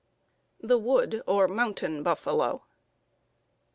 _The "Wood," or "Mountain" Buffalo.